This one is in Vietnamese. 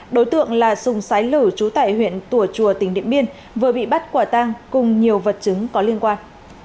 đối tượng là sùng sái lử trú tại huyện tùa chùa tỉnh điện biên vừa bị bắt quả tang cùng nhiều vật chứng có liên quan